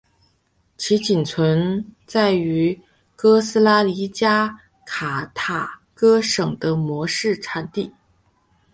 其仅存在于哥斯达黎加卡塔戈省的模式产地。